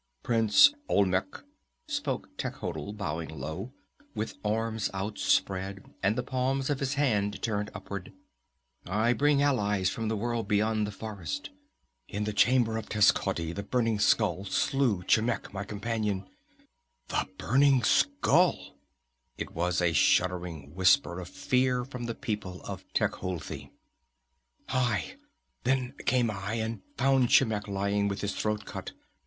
"Prince Olmec," spoke Techotl, bowing low, with arms outspread and the palms of his hands turned upward, "I bring allies from the world beyond the forest. In the Chamber of Tezcoti the Burning Skull slew Chicmec, my companion " "The Burning Skull!" It was a shuddering whisper of fear from the people of Tecuhltli. "Aye! Then came I, and found Chicmec lying with his throat cut.